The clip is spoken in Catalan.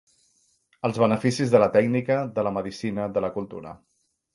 Els beneficis de la tècnica, de la medicina, de la cultura.